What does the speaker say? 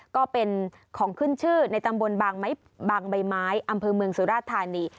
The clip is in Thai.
ก็เป็นของขึ้นชื่อในตำบลบางใบไม้อำเภอเมืองสุราธานี